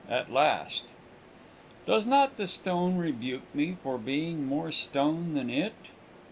AT LAST IX. "Does not the stone rebuke me For being more stone than it?"